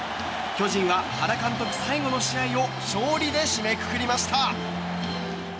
巨人は原監督最後の試合を勝利で締めくくりました。